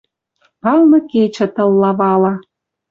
Палны кечӹ тылла вала